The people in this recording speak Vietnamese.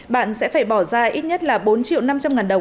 bạn sẽ phải bỏ ra ít nhất là bốn lần